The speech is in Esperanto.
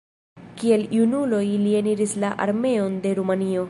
Kiel junulo li eniris la armeon de Rumanio.